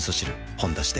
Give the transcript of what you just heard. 「ほんだし」で